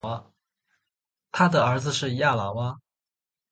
他的儿子是亚拉瓦。